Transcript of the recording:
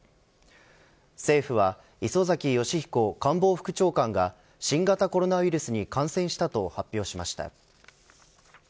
政府は、磯崎仁彦官房副長官が新型コロナウイルスに感染したと発表しました。